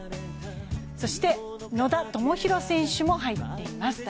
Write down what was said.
そして、野田明宏選手も代表に入っています。